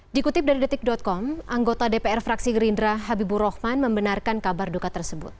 dikutip dari detik com anggota dpr fraksi gerindra habibur rahman membenarkan kabar duka tersebut